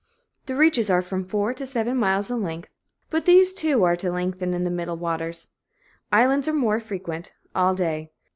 The reaches are from four to seven miles in length, but these, too, are to lengthen in the middle waters. Islands are frequent, all day.